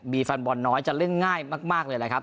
มีแฟนบอลน้อยจะเล่นง่ายมากเลยนะครับ